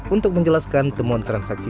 untuk menjelaskan temuan transaksi